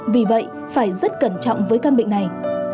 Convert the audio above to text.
vì vậy phải rất cẩn trọng với căn bệnh này